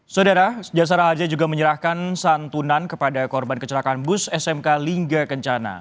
saudara jasara haja juga menyerahkan santunan kepada korban kecelakaan bus smk lingga kencana